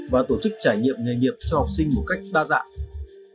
và tổ chức trải nghiệm nghề nghiệp cho học sinh một cách đa dạng